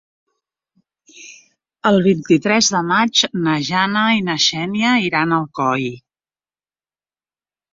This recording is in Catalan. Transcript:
El vint-i-tres de maig na Jana i na Xènia iran a Alcoi.